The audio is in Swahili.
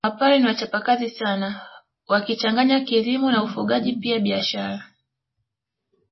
Wapare ni wachapakazi sana wakichanganya kilimo na ufugaji pia biashara